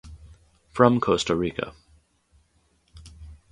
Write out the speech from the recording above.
From Costa Rica.